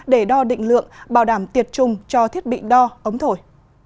để đo định lượng bảo đảm tiệt trùng cho thiết bị đo ống thổi